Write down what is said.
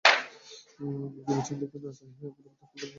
গুলকী আর পেছন দিকে না চাহিয়া পথ বাহিয়া সোজা পুকুরপাড়ের দিকে ছুটু দিল।